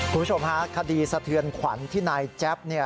คุณผู้ชมฮะคดีสะเทือนขวัญที่นายแจ๊บเนี่ย